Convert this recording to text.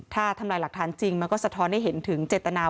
ถ้าทำลายหลักฐานจริงมันก็สะท้อนให้เห็นถึงเจตนา